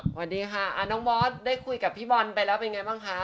สวัสดีค่ะน้องบอสได้คุยกับพี่บอลไปแล้วเป็นไงบ้างคะ